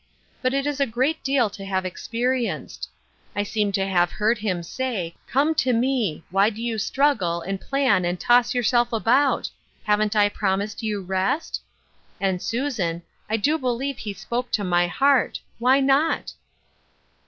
But it is a great deal to have experienced. I seem to have heard him say, Come to me. Why do you struggle and plan and toss yourself about? Haven't I prom ised you rest?'' And, Susan, I do believe he Bpoke to my heart ; why not?